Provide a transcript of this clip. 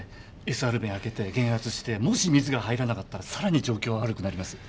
ＳＲ弁開けて減圧してもし水が入らなかったら更に状況は悪くなります。